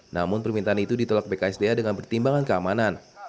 namun permintaan itu ditolak bksda dengan pertimbangan keamanan